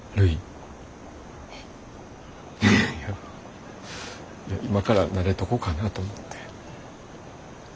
いや今から慣れとこかなと思て。